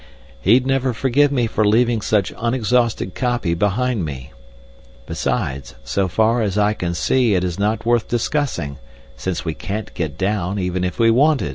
"He'd never forgive me for leaving such unexhausted copy behind me. Besides, so far as I can see it is not worth discussing, since we can't get down, even if we wanted."